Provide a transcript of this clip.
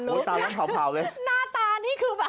หน้าตานี่คือแบบ